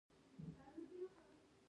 هر څه امکان لری چی هڅه یی وشی